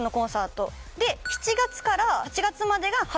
７月から８月までが。